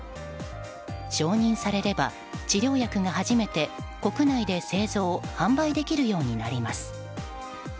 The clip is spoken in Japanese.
承認されれば治療薬が初めて、国内で製造・販売できるようになります。